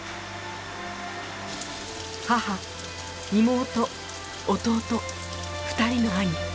母妹弟２人の兄。